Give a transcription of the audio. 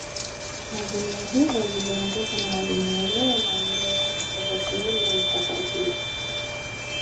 Azimio hilo liliongozwa na Mwalimu Nyerere na wengine kama Sheikh Suleiman Takadir